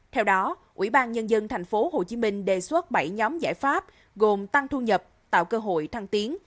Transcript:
theo đó ubnd tp hcm đề xuất bảy nhóm giải pháp gồm tăng thu nhập tạo cơ hội thăng tiến